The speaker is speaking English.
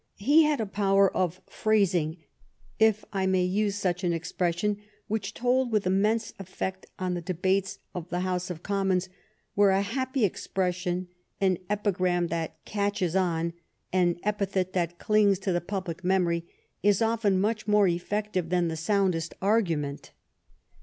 He had a power of "phras ing," if I may use such an expression, which told with immense effect on the debates of the House of Commons, where a happy expression, an epi gram that "catches on,'' an epithet that clings to the public memory, is often much more effective than the soundest argument.